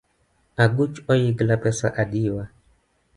Aguch oyigla pesa adiwa.